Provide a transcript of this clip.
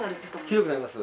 ひどくなります。